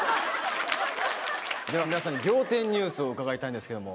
では皆さんに仰天ニュースを伺いたいんですけども。